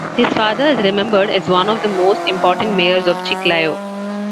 His father is remembered as one of the most important mayors of Chiclayo.